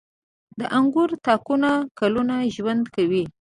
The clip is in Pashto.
• د انګورو تاکونه کلونه ژوند کوي.